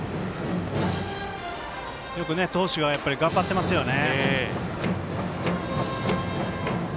よく投手が頑張っていますよね。